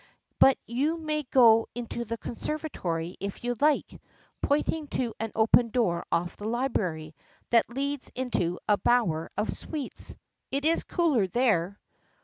"But you may go into the conservatory if you like," pointing to an open door off the library, that leads into a bower of sweets. "It is cooler there."